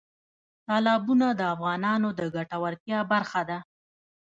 تالابونه د افغانانو د ګټورتیا برخه ده.